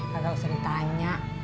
kagak usah ditanya